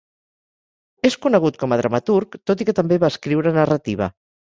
És conegut com a dramaturg, tot i que també va escriure narrativa.